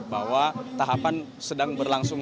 bahwa tahapan sedang berlangsung